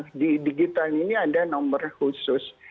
nah di digital ini ada nomor khusus